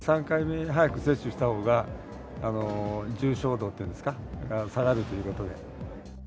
３回目、早く接種したほうが、重症度っていうんですか、下がるということで。